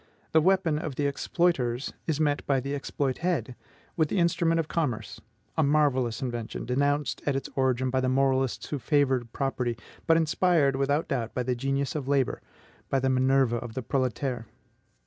The weapon of the EXPLOITERS is met by the EXPLOITED with the instrument of commerce, a marvellous invention, denounced at its origin by the moralists who favored property, but inspired without doubt by the genius of labor, by the Minerva of the proletaires.